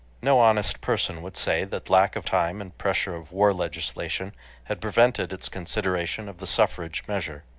No honest person would say that lack of time and pressure of war legislation had prevented its consideration of the suffrage measure.